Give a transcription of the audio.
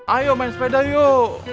ayo main sepeda yuk